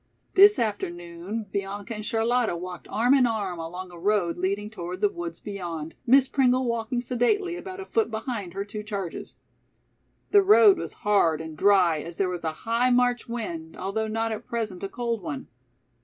This afternoon Bianca and Charlotta walked arm in arm along a road leading toward the woods beyond, Miss Pringle walking sedately about a foot behind her two charges. The road was hard and dry as there was a high March wind, although not at present a cold one.